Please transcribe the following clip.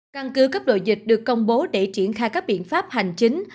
căn cứ cấp đội dịch được công bố để triển khai các biện pháp hành chính